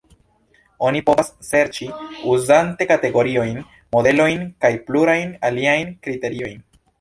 Oni povas serĉi, uzante kategoriojn, modelojn kaj plurajn aliajn kriteriojn.